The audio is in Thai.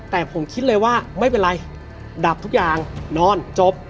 แต่ผมคิดเลยว่าไม่เป็นไรดับทุกอย่างนอนจบ